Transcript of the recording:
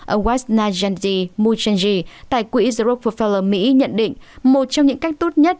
ông wajna jandi mujanji tại quỹ europe for fellow mỹ nhận định một trong những cách tốt nhất